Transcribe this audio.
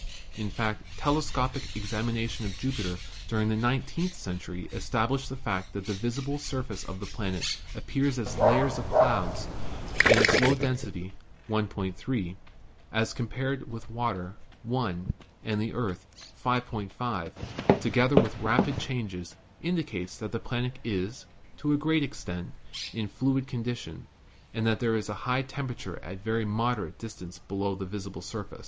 In fact, telescopic examination of Jupiter during the nine teenth century established the fact that the visible surface of the planet appears as layers of clouds, and its low den sity, 1.3, as compared with water, 1, and the Earth, 5.5, together with the rapid changes, indicates that the planet is, to a great extent, in a fluid condition, and that there is a high temperature at a very moderate distance below the visible surface.